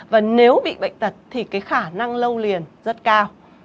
và nếu bị bệnh tật thì cái khả năng lâu liền rất cao